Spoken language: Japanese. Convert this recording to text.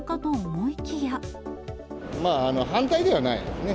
まあ、反対ではないですね。